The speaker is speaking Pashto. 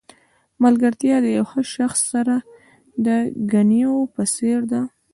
ملګرتیا د یو ښه شخص سره د ګنیو په څېر ده.